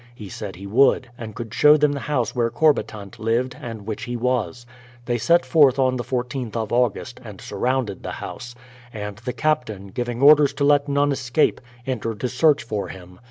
He said he would, and could show them the house where Corbitant lived, and which he was. They set forth on the 14th of August, and surrounded the house ; and the Captain, giving orders to let none escape, entered to search for him.